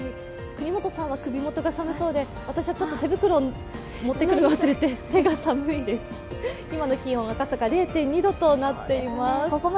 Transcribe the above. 國本さんは首元が寒そうで、私は手袋を持ってくるのを忘れて手が寒いです、今の気温赤坂０．２度となっています。